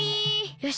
よし！